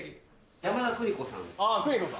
山田邦子さん。